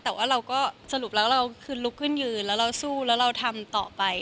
แต่ว่าเราก็สรุปแล้วเราคือลุกขึ้นยืนแล้วเราสู้แล้วเราทำต่อไป